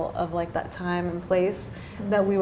waktu dan tempat yang kita